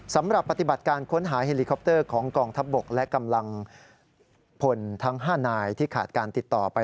สำหรับปฏิบัติการค้นหาเฮลิคอปเตอร์ของกองทัพบกและกำลังพลทั้ง๕นายที่ขาดการติดต่อไป